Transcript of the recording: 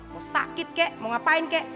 mau sakit kek mau ngapain kek